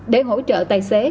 để hỗ trợ tài xế